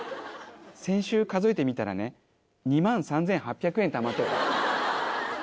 先週数えてみたらね２３、８００円たまってた。